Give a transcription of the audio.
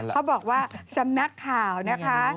เขาบอกว่าสำนักข่าวนะคะ